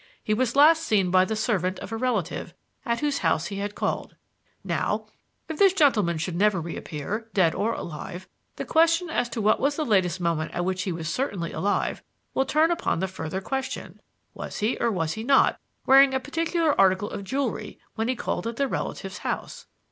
He was last seen by the servant of a relative at whose house he had called. Now, if this gentleman should never reappear, dead or alive, the question as to what was the latest moment at which he was certainly alive will turn upon the further question: 'Was he or was he not wearing a particular article of jewelry when he called at the relative's house?'"